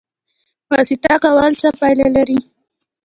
واسطه کول څه پایله لري؟